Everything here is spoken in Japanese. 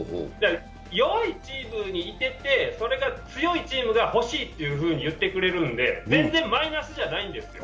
弱いチームにいてて、それが強いチームが欲しいと言ってくれるので全然マイナスじゃないんですよ。